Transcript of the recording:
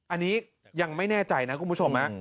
อันนี้ยังไม่แน่ใจนะคุณผู้ชม